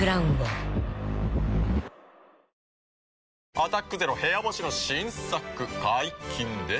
「アタックＺＥＲＯ部屋干し」の新作解禁です。